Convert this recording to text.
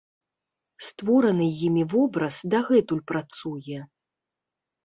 Створаны імі вобраз дагэтуль працуе.